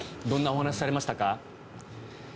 どんなお話されましたか？